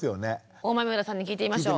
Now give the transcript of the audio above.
大豆生田さんに聞いてみましょう。